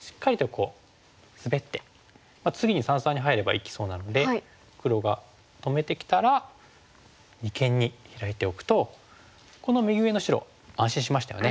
次に三々に入れば生きそうなので黒が止めてきたら二間にヒラいておくとこの右上の白安心しましたよね。